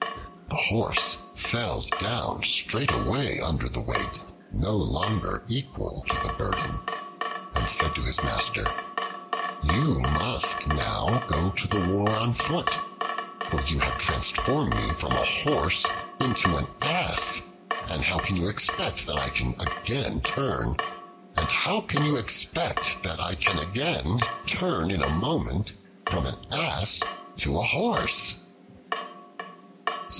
The Horse fell down straightway under the weight, no longer equal to the burden, and said to his master, "You must now go to the war on foot, for you have transformed me from a Horse into an Ass; and how can you expect that I can again turn in a moment from an Ass to a Horse?"